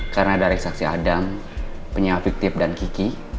karena dari saksi adam penyakit tip dan kiki